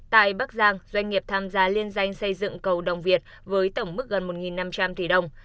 tại bắc giang doanh nghiệp tham gia liên danh xây dựng cầu đồng việt với tổng mức gần một năm trăm linh tỷ đồng